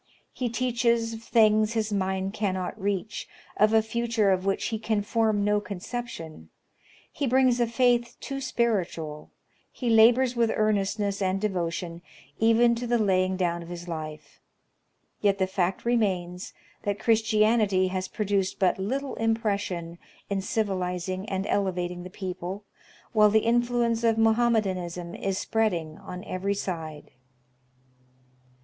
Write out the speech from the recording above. He teaches of things his mind cannot reach, of a future of which he can form no conception ; he brings a faith too spiritual ; he labors with earnestness and devotion, €ven to the laying down of his life. Yet the fact remains that Christianity has produced but little impression in civilizing and elevating the people, while the influence of Mohommedanism is spreading on every side.